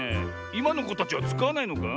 いまのこたちはつかわないのか？